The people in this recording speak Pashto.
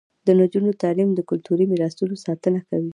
د نجونو تعلیم د کلتوري میراثونو ساتنه کوي.